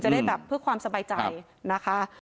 จะได้พึ่งความสบายใจนะคะ